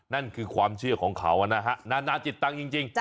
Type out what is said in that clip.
นั่นคือความเชื่อของเขานะฮะนานาจิตตังค์จริง